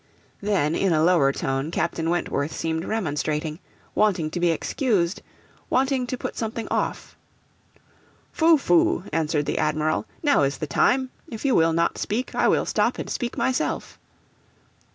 Then in a lower tone Captain Wentworth seemed remonstrating, wanting to be excused, wanting to put something off. 'Phoo, phoo,' answered the Admiral, 'now is the time; if you will not speak, I will stop and speak myself.'